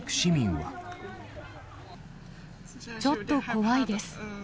ちょっと怖いです。